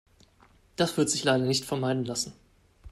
Das wird sich leider nicht vermeiden lassen.